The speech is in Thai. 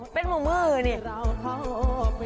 เป็นมือนี่